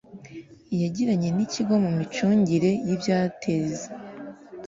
yagiranye n ikigo mu micungire y ibyateza